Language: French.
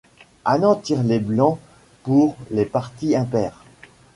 Anand tire les blancs pour les parties impaires.